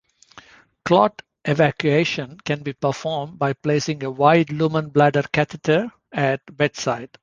Clot evacuation can be performed by placing a wide-lumen bladder catheter at bedside.